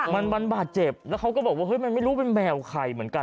มันมันบาดเจ็บแล้วเขาก็บอกว่าเฮ้ยมันไม่รู้เป็นแมวใครเหมือนกัน